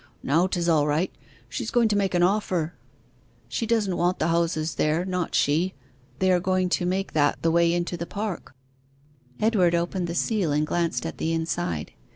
'Now 'tis all right; she's going to make an offer; she doesn't want the houses there, not she; they are going to make that the way into the park.' Edward opened the seal and glanced at the inside.